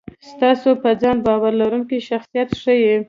ستاسې په ځان باور لرونکی شخصیت ښي.